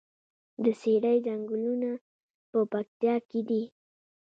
د څیړۍ ځنګلونه په پکتیا کې دي؟